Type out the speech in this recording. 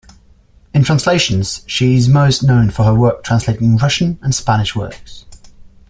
In translations she is most known for her work translating Russian and Spanish works.